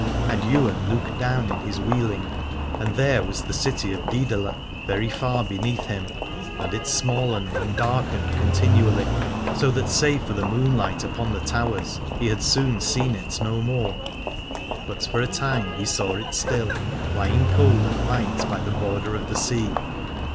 And Ywain looked down in his wheeling, and there was the city of Dcedala very far beneath him, and it smallened and darkened con tinually, so that save for the moonlight upon the towers he had soon seen it no more. But for a time he saw it still lying cold and white by the border of the sea.